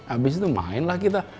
abis itu main lah kita